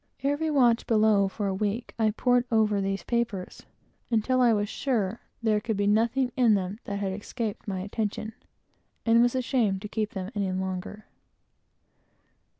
Every watch below, for a week, I pored over these papers, until I was sure there could be nothing in them that had escaped my attention, and was ashamed to keep them any longer.